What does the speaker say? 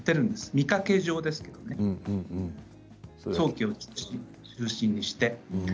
見かけ上ですけどね早期を中心にして。